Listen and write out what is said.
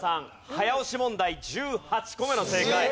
早押し問題１８個目の正解。